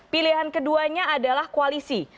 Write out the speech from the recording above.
pilihan keduanya adalah koalisi